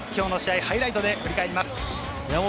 ハイライトで振り返ります。